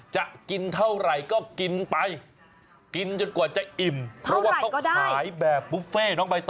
จะกินเท่าไรก็กินไปกินจนกว่าจะอิ่มเพราะว่าก็ขายแบบบุฟเฟ่